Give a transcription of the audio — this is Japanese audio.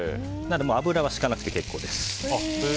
油はひかなくて結構です。